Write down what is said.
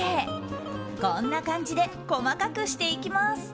こんな感じで細かくしていきます。